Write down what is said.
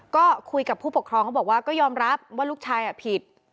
ก็คุยกับผู้ปกครองเขาบอกว่าก็ยอมรับว่าลูกชายผิด